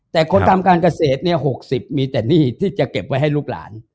แต่คนทำการเกษตรเนี่ย๖๐มีแต่หนี้ที่จะเก็บไว้ให้ลูกหลาน